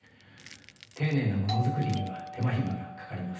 丁寧なものづくりには手間暇がかかります。